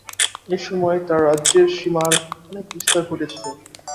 এই সময়ে তার রাজ্যের সীমার অনেক বিস্তার ঘটেছিল।